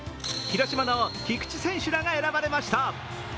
広島の菊池選手らが選ばれました。